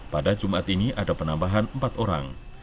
pada jumat ini ada penambahan empat orang